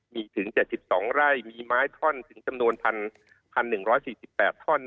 มีถึง๗๒ไร่มีไม้ท่อนถึงจำนวน๑๑๔๘ท่อน